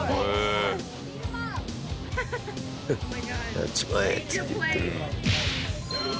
やっちまえっつって言ってるよ。